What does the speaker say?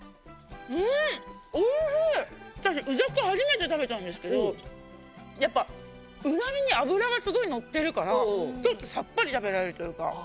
私鰻ざく初めて食べたんですけどやっぱうなぎに脂がすごいのってるからちょっとさっぱり食べられるというか。